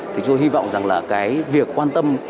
thì chúng tôi hy vọng rằng việc quan tâm